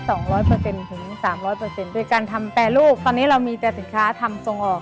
โดยการทำแปรรูปตอนนี้เรามีแต่สินค้าทำตรงออก